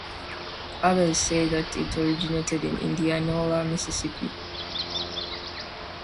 Others say that it originated in Indianola, Mississippi.